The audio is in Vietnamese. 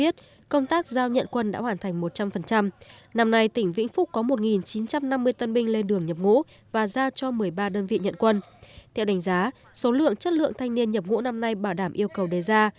theo đánh giá số lượng chất lượng thanh niên nhập ngũ năm nay bảo đảm yêu cầu đề ra